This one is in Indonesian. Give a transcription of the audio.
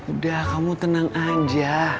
udah kamu tenang aja